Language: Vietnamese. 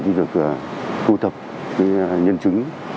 thì được thu thập nhân chứng